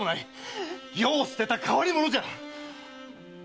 世を捨てた変わり者じゃ！